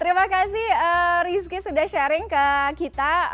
terima kasih rizky sudah sharing ke kita